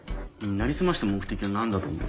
成り済ました目的は何だと思う？